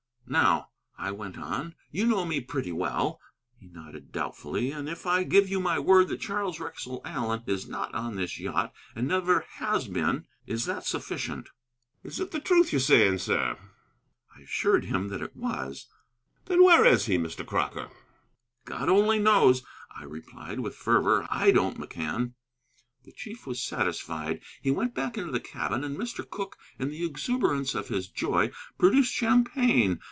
"Now," I went on, "you know me pretty well" (he nodded doubtfully), "and if I give you my word that Charles Wrexell Allen is not on this yacht, and never has been, is that sufficient?" "Is it the truth you're saying, sir?" I assured him that it was. "Then where is he, Mr. Crocker?" "God only knows!" I replied, with fervor. "I don't, McCann." The chief was satisfied. He went back into the cabin, and Mr. Cooke, in the exuberance of his joy, produced champagne.